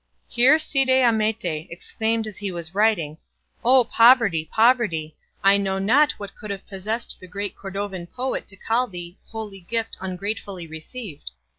Here Cide Hamete exclaimed as he was writing, "O poverty, poverty! I know not what could have possessed the great Cordovan poet to call thee 'holy gift ungratefully received.